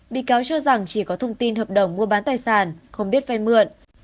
bị cáo cho rằng chỉ có thông tin hợp đồng mua bán tài sản không biết phê mượn